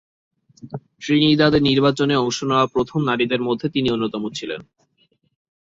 ত্রিনিদাদে নির্বাচনে অংশ নেওয়া প্রথম নারীদের মধ্যে তিনি অন্যতম ছিলেন।